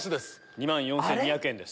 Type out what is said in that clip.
２万４２００円です。